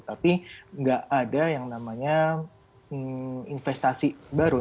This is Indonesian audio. tapi nggak ada yang namanya investasi baru